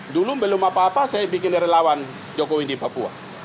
dulu belum apa apa saya bikin relawan jokowi di papua